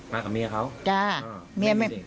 มากับเมียเขาไม่มีเด็กอ๋อไม่มีเด็ก